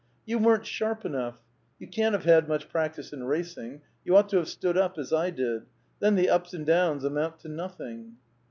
"You weren't sharp enough! you can't have had much practice in racing. You ought to have stood up as I did ; then the ups and downs amount to nothing."